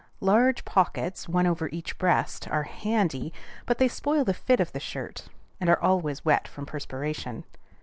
Large pockets, one over each breast, are "handy;" but they spoil the fit of the shirt, and are always wet from perspiration.